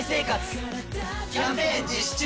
キャンペーン実施中！